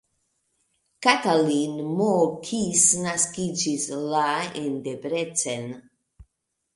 Katalin M. Kiss naskiĝis la en Debrecen.